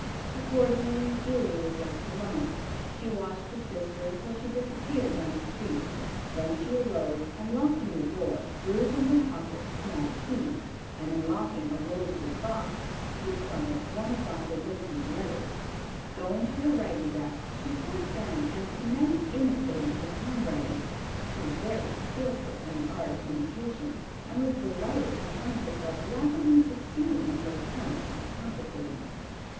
Accordingly Julia was left alone. She watched her sister until she disappeared down the street. Then she arose, and locking the door, drew from her pocket a small key, and unlocking a rosewood box, took from it one of Dr. Lacey's letters. Going to her writing desk, she sat down and commenced imitating his handwriting. She was very skillful in the art of imitation, and was delighted to find herself rapidly succeeding in her attempts at counterfeiting.